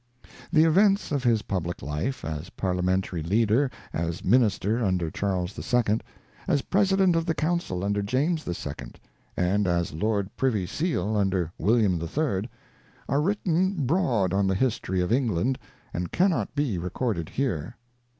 The events of his public life, as parliamentary leader, as Minister under Charles II, as President of the Councijl under James II, and as Lord Privy Seal under William III, are written broad on the history of England, and cannc^ be recorded here.